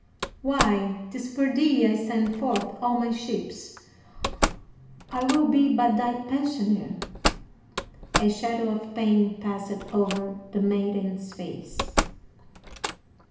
"Why, 'tis for thee I send forth all my ships. I will be but thy pensioner." A shadow of pain passed over the maiden's face.